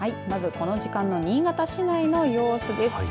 まずこの時間の新潟市内の様子です。